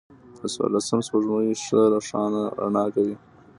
د څوارلسمم سپوږمۍ ښه رڼا کړې وه.